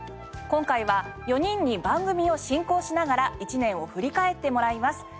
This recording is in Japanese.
今回は４人に番組を進行しながら１年を振り返ってもらいます。